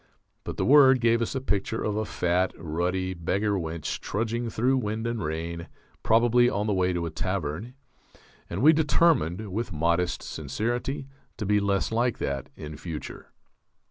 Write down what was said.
But the word gave us a picture of a fat, ruddy beggar wench trudging through wind and rain, probably on the way to a tavern; and we determined, with modest sincerity, to be less like that in future.